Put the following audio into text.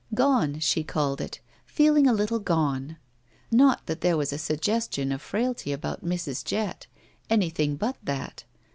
Gone," she called it. "Peeling a little gone.*' Not that there was a suggestion of frailty about Mrs. Jett. Anjrthing but that.